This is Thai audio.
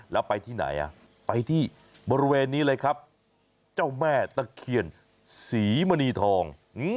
แล้วไปที่ไหนอ่ะไปที่บริเวณนี้เลยครับเจ้าแม่ตะเคียนศรีมณีทอง